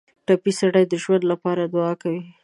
ټپي سړی د ژوند لپاره دعا کوي.